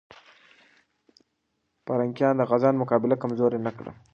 پرنګیان د غازيانو مقابله کمزوري نه کړه.